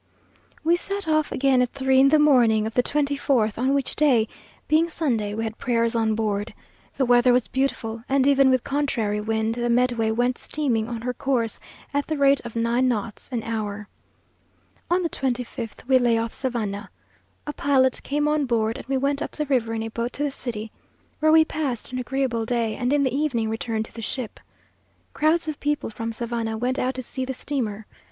We set off again at three in the morning of the twenty fourth, on which day, being Sunday, we had prayers on board. The weather was beautiful, and even with contrary wind, the Medway went steaming on her course at the rate of nine knots an hour. On the twenty fifth we lay off Savannah. A pilot came on board, and we went up the river in a boat to the city, where we passed an agreeable day, and in the evening returned to the ship. Crowds of people from Savannah went out to see the steamer.